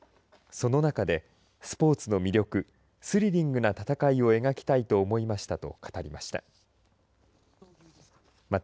その中でスポーツの魅力スリリングな戦いを描きたいと思いましたと語りました。